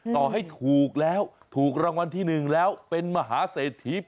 ต่อให้ถูกแล้วถูกรางวัลที่๑แล้วเป็นมหาเศรษฐี